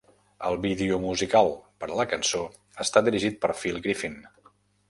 El vídeo musical per a la cançó està dirigit per Phil Griffin.